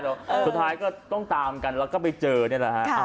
สุดท้ายก็ต้องตามกันแล้วก็ไปเจอนี่แหละฮะ